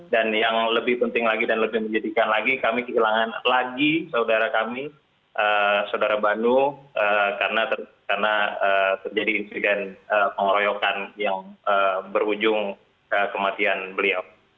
dan yang lebih penting lagi dan lebih menjadikan lagi kami kehilangan lagi saudara kami saudara banu karena terjadi insiden pengoroyokan yang berujung kematian beliau